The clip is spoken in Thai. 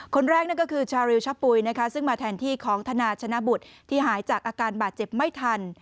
คนแรกนั่นก็คือชาริวชะปุ๋ยนะคะซึ่งมาแทนที่ของธนาชนะบุตรที่หายจากอาการบาดเจ็บไม่ทัน